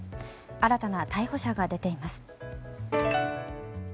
新たな逮捕者が出ています。